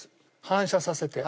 反射させて。